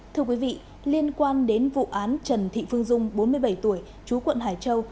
thưa quý vị liên quan đến vụ án trần thị phương dung bốn mươi bảy tuổi chú quận hải châu